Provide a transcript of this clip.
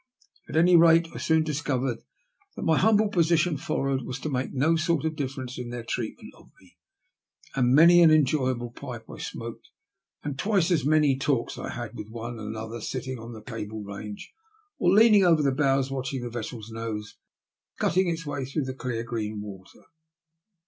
At any rate, I soon discovered that my humble position forrard was to make no sort of difference in their treatment of me ; and many an enjoyable pipe I smoked, and twice as THE WRECK OP THE "FIJI PRINCESS." 189 many talks I had with one and another, sitting on the cable range, or leaning over the bows watching the vessel's nose catting its way through the clear green water.